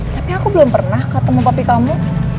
tapi aku belum pernah ketemu kopi kamu